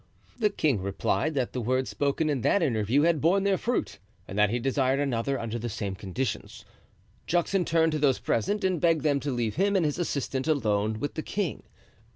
The king replied that the words spoken in that interview had borne their fruit, and that he desired another under the same conditions. Juxon turned to those present and begged them to leave him and his assistant alone with the king.